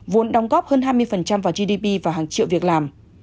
vốn đóng góp hơn hai mươi vào gdp và hàng triệu việc làm